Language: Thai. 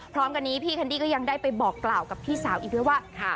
พร้อมกับนี้พี่แคนดี้นักกล้าวกับพี่สาวนี้ว่า